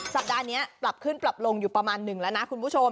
สัปดาห์นี้ปรับขึ้นปรับลงอยู่ประมาณหนึ่งแล้วนะคุณผู้ชม